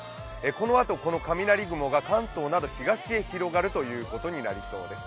このあとこの雷雲が関東など東へ広がるということになりそうです。